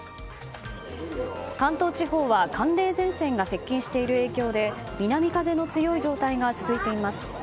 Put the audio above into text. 関東地方は寒冷前線が接近している影響で南風の強い状態が続いています。